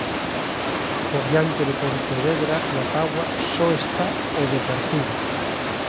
Por diante do Pontevedra na táboa só está o Deportivo.